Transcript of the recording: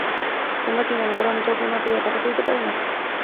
তোমরা কি মনে কর, আমি ঝগড়া না করিয়া কথা কহিতে পারি না?